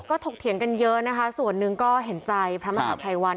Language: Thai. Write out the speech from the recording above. ก็ถกเถียงกันเยอะนะคะส่วนหนึ่งก็เห็นใจพระมหาภัยวัน